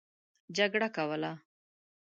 جګړه کوله.